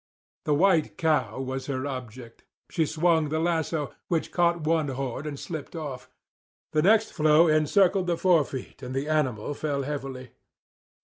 The white cow was her object. She swung the lasso, which caught one horn and slipped off. The next throw encircled the forefeet and the animal fell heavily.